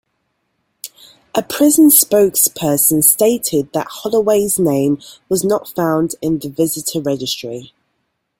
A prison spokesperson stated that Holloway's name was not found in the visitor registry.